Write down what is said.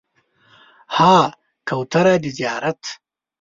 ها کوتره د زیارت